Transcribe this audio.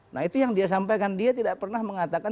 nah itu yang dia sampaikan dia tidak pernah mengatakan